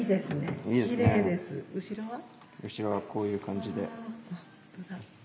後ろは、こういう感じで。